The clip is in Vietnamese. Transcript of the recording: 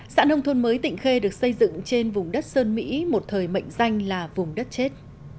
xã nông thôn mới tịnh khê được xây dựng trên vùng đất sơn mỹ một thời mệnh danh là vùng đất chết